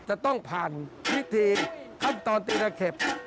จะต้องผ่านวิธีขั้นตอนตีละเข็บ